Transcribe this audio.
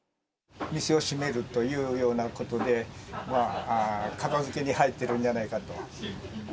店を閉めるというようなことで、片づけに入ってるんじゃないかと。